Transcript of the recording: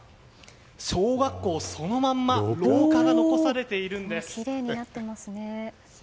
小学校そのまんま廊下が残されているんです。